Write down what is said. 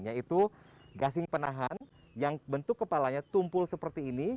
yaitu gasing penahan yang bentuk kepalanya tumpul seperti ini